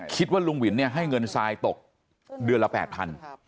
คิดว่าลุงหวินเนี่ยให้เงินทรายตกเดือนละ๘๐๐บาท